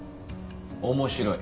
面白い。